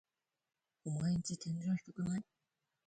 オマエんち天井低くない？